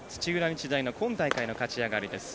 日大の今大会の勝ち上がりです。